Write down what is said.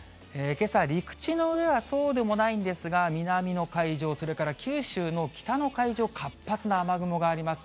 けさ、陸地の上はそうでもないんですが、南の海上、それから九州の北の海上、活発な雨雲があります。